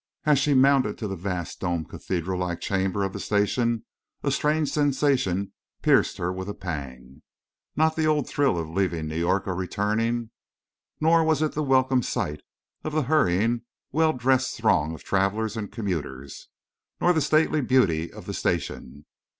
As she mounted to the vast domed cathedral like chamber of the station a strange sensation pierced her with a pang. Not the old thrill of leaving New York or returning! Nor was it the welcome sight of the hurrying, well dressed throng of travelers and commuters, nor the stately beauty of the station.